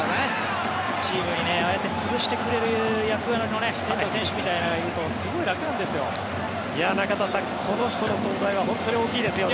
チームにああやって潰してくれる彼みたいな選手がいるとすごく楽なんですよ。